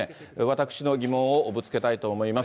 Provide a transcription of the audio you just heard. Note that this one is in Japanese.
私の疑問をぶつけたいと思います。